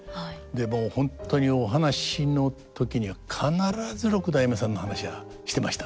もう本当にお話の時には必ず六代目さんの話はしてましたね。